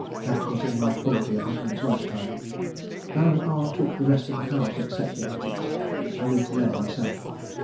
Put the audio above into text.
That was in my poor dear husband's lifetime. Baron R took the rest of the house except the attics. I lived there myself.